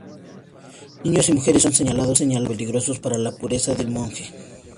Niños y mujeres son señalados como peligrosos para la pureza del monje.